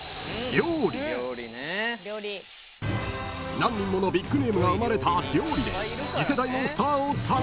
［何人ものビッグネームが生まれた料理で］